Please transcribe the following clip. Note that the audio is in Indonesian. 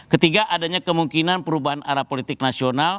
ketiga adanya kemungkinan perubahan arah politik nasional